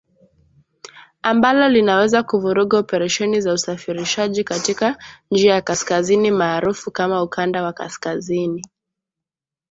Ambalo linaweza kuvuruga operesheni za usafirishaji katika njia ya kaskazini maarufu kama Ukanda wa Kaskazini.